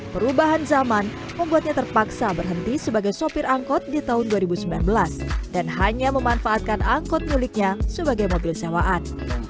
perubahan zaman membuatnya terpaksa berhenti sebagai sopir angkot di tahun dua ribu sembilan belas dan hanya memanfaatkan angkot miliknya sebagai mobil sewaan